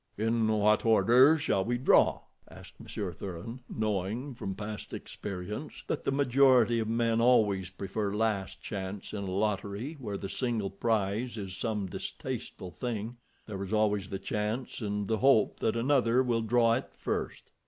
"In what order shall we draw?" asked Monsieur Thuran, knowing from past experience that the majority of men always prefer last chance in a lottery where the single prize is some distasteful thing—there is always the chance and the hope that another will draw it first.